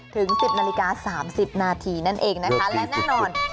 ถึง๑๐นาฬิกา๓๐นาทีนั่นเองนะคะและแน่นอน